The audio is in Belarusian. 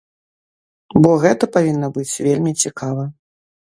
Бо гэта павінна быць вельмі цікава.